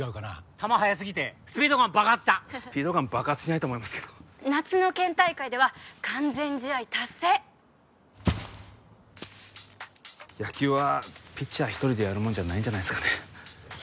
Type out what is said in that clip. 球速すぎてスピードガン爆発したスピードガン爆発しないと思いますけど夏の県大会では完全試合達成野球はピッチャー１人でやるもんじゃないんじゃないですかね翔